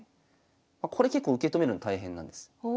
これ結構受け止めるの大変なんです。